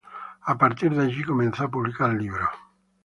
A partir de allí, comenzó a publicar libros.